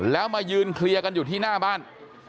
แล้วมายืนเคลียร์กันอยู่ที่หน้าบ้าน